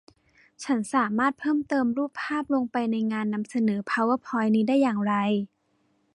ฉันสามารถเพิ่มเติมรูปภาพลงไปในงานนำเสนอพาวเวอร์พ้อยนี้ได้อย่างไร